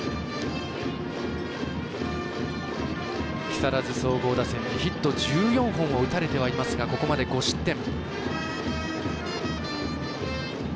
木更津総合打線にヒット１４本を打たれてはいますがここまでは５失点。